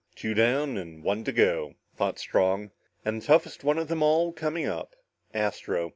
"Two down and one to go," thought Strong, and the toughest one of them all coming up. Astro.